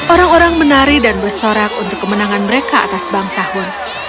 orang orang menari dan bersorak untuk kemenangan mereka atas bangsa hun